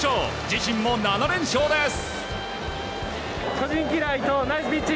自身も７連勝です。